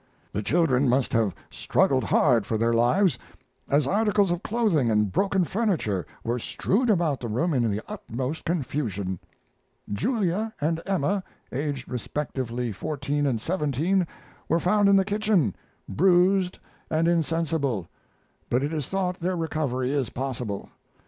The children must have struggled hard for their lives, as articles of clothing and broken furniture were strewn about the room in the utmost confusion. Julia and Emma, aged respectively fourteen and seventeen, were found in the kitchen, bruised and insensible, but it is thought their recovery is possible.